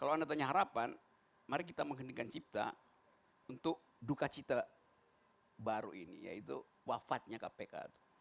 kalau anda tanya harapan mari kita menghendingkan cipta untuk duka cita baru ini yaitu wafatnya kpk